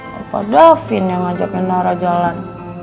bapak davin yang ngajakin rara jalan